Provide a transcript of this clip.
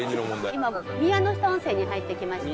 今宮ノ下温泉に入ってきまして。